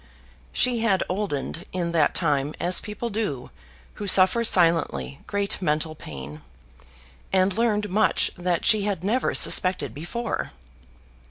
She had oldened in that time as people do who suffer silently great mental pain; and learned much that she had never suspected before.